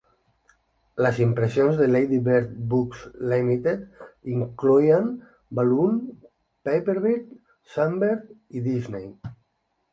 Les impressions de Ladybird Books Limited incloïen Balloon, Paperbird, Sunbird i Disney.